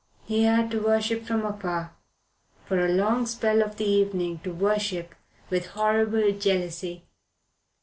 He had to worship from afar; for a long spell of the evening to worship with horrible jealousy.